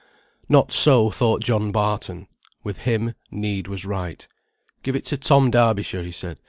Not so thought John Barton. With him need was right. "Give it to Tom Darbyshire," he said.